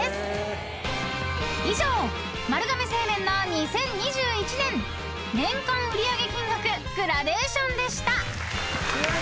［以上丸亀製麺の２０２１年年間売上金額グラデーションでした］